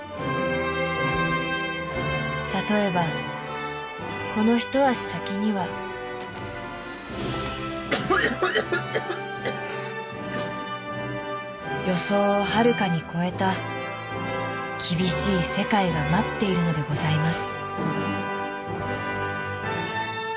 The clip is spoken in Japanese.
例えばこの一足先には予想をはるかに超えた厳しい世界が待っているのでございます